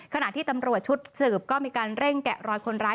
ขณะที่ตำรวจชุดสืบก็มีการเร่งแกะรอยคนร้าย